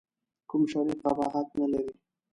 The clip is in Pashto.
کوم شرعي قباحت نه لري.